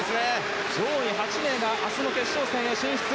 上位８名が明日の決勝戦進出。